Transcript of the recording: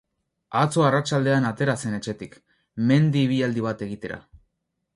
Atzo arratsaldean atera zen etxetik, mendi ibilaldi bat egitera.